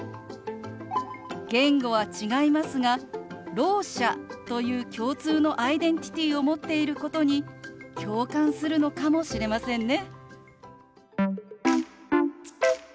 言語は違いますがろう者という共通のアイデンティティーを持っていることに共感するのかもしれませんね。